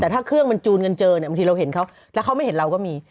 แต่ถ้าเครื่องมันจูนกันเจอเนี่ยบางทีเราเห็นเขาแล้วเขาไม่เห็นเราก็มี